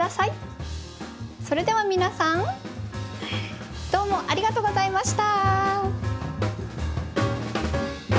それでは皆さんどうもありがとうございました！